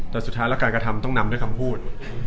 แต่สุดท้ายแล้วการกระทำต้องนำด้วยคำพูด